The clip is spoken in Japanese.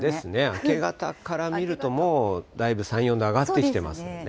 明け方から見ると、もうだいぶ３、４度上がってきてますよね。